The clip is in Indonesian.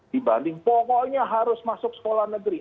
dibanding pokoknya harus masuk sekolah negeri